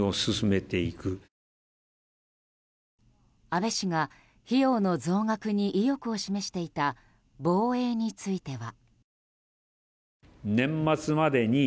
安倍氏が費用の増額に意欲を示していた防衛については。